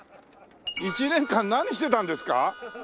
１年間何してたんですか？